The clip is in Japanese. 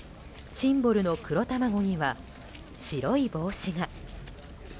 シンボルの黒たまごには白い帽子が。